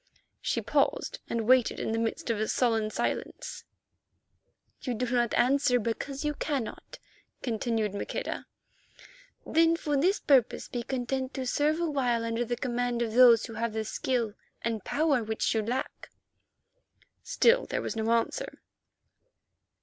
She paused and waited in the midst of a sullen silence. "You do not answer because you cannot," continued Maqueda. "Then for this purpose be content to serve awhile under the command of those who have the skill and power which you lack." Still there was no answer.